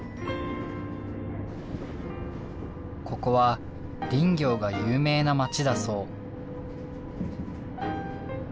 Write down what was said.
ここは林業が有名な町だそう。